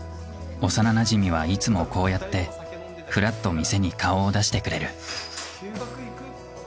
幼なじみはいつもこうやってふらっと店に顔を出してくれる。